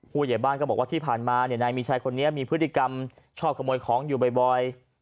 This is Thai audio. ผู้ใหญ่บ้านก็บอกว่าที่ผ่านมานายมีชัยคนนี้มีพฤติกรรมชอบขโมยของอยู่บ่อย